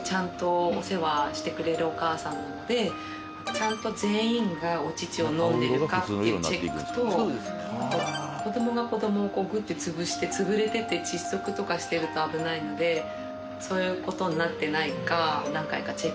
ちゃんと全員がお乳を飲んでるかっていうチェックと子供が子供をぐってつぶしてつぶれてて窒息とかしてると危ないのでそういうことになってないか何回かチェックしに行く。